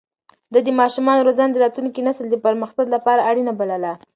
ده د ماشومانو روزنه د راتلونکي نسل د پرمختګ لپاره اړينه بلله.